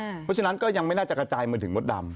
เพราะฉะนั้นก็ยังไม่น่าจะกระจายมาถึงมดดำ